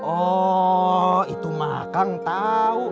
oh itu mah kang tau